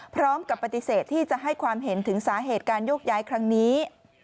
พร้อมกับปฏิเสธที่จะให้ความเห็นถึงสาเหตุการโยกย้ายครั้งนี้